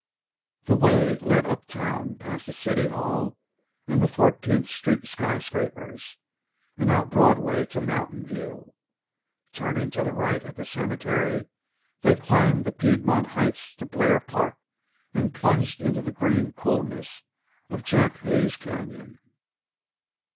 The way led uptown, past the City Hall and the Fourteenth Street skyscrapers, and out Broadway to Mountain View. Turning to the right at the cemetery, they climbed the Piedmont Heights to Blair Park and plunged into the green coolness of Jack Hayes Canyon.